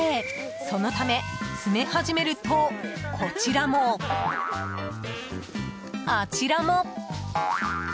そのため、詰め始めるとこちらも、あちらも。